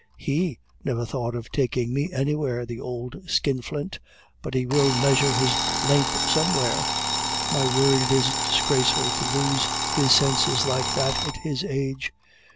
He never thought of taking me anywhere, the old skinflint. But he will measure his length somewhere. My word! it is disgraceful to lose his senses like that, at his age!